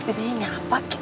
adanya apa gitu